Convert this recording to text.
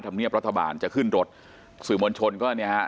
ธรรมเนียบรัฐบาลจะขึ้นรถสื่อมวลชนก็เนี่ยฮะ